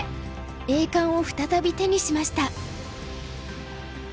栄冠を再び手にしました。